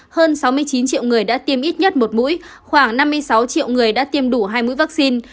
hơn sáu mươi chín triệu người đã tiêm ít nhất một mũi khoảng năm mươi sáu triệu người đã tiêm đủ hai mũi vaccine